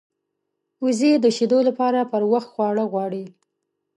وزې د شیدو لپاره پر وخت خواړه غواړي